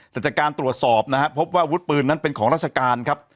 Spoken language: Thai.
แต่จากการตรวจสอบนะครับพบว่าอาวุธปืนนั้นเป็นของราชการครับ